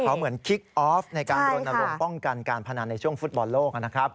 เขาเหมือนคิกออฟในการรณรงค์ป้องกันการพนันในช่วงฟุตบอลโลกนะครับ